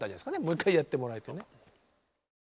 もう１回やってもらえてね。